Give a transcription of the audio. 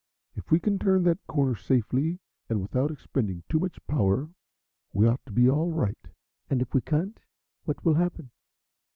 If we can turn that corner safely and without expending too much power we ought to be all right." "And if we can't, what will happen?"